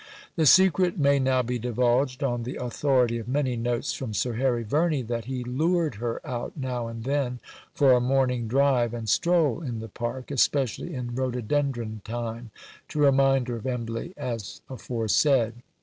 The secret may now be divulged, on the authority of many notes from Sir Harry Verney, that he lured her out now and then for a morning drive and stroll in the Park, especially in rhododendron time, "to remind her of Embley," as aforesaid.